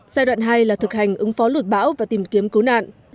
giai đoạn hai là thực hành ứng phó lụt bão và tìm kiếm cứu nạn